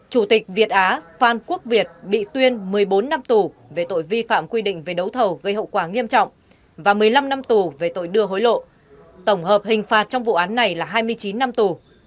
chủ tịch việt á phan quốc việt bị tuyên một mươi bốn năm tù về tội vi phạm quy định về đấu thầu gây hậu quả nghiêm trọng và một mươi năm năm tù về tội đưa hối lộ tổng hợp hình phạt trong vụ án này là hai mươi chín năm tù